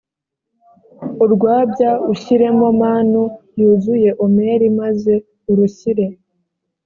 urwabya ushyiremo manu yuzuye omeri maze urushyire